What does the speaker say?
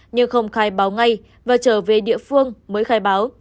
nhưng không khai báo ngay và trở về địa phương mới khai báo